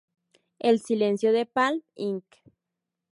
El silencio de "Palm, Inc.